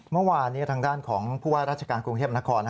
เมื่อวานนี้ทางด้านของผู้ว่าราชการกรุงเทพนคร